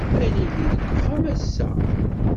Ad nili deg uxxam ass-a.